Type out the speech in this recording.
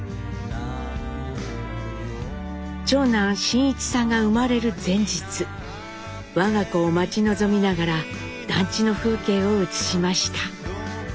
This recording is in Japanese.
長男真一さんが生まれる前日我が子を待ち望みながら団地の風景を写しました。